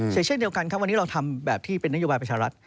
เช่นเดียวกันครับวันนี้เราทำแบบที่เป็นนโยบายประชารัฐ